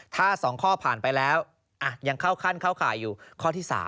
ถ้า๒ข้อผ่านไปแล้วยังเข้าขั้นเข้าข่ายอยู่ข้อที่๓